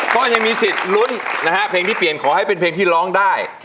ก็ยังมีสิทธิ์ลุ้นนะฮะเพลงที่เปลี่ยนขอให้เป็นเพลงที่ร้องได้